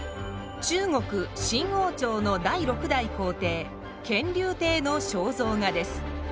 中国清王朝の第６代皇帝乾隆帝の肖像画です。